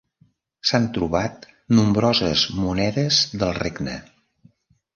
S'han trobat nombroses monedes del regne.